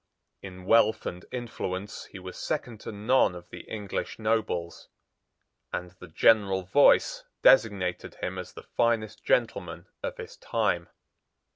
In wealth and influence he was second to none of the English nobles; and the general voice designated him as the finest gentleman of his time.